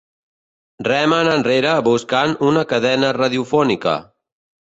Remen enrere buscant una cadena radiofònica.